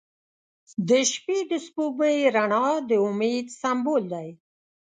• د شپې د سپوږمۍ رڼا د امید سمبول دی.